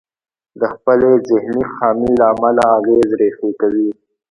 د خپلې ذهني خامي له امله اغېز ريښې کوي.